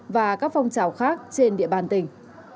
và các phong trào khác trên địa bàn tỉnh